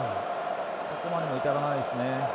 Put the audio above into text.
そこまでには至らないですね。